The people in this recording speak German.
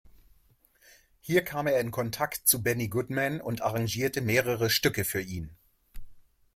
Hier kam er in Kontakt zu Benny Goodman und arrangierte mehrere Stücke für ihn.